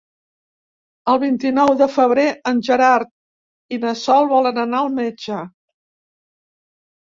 El vint-i-nou de febrer en Gerard i na Sol volen anar al metge.